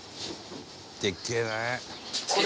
でっけえね！」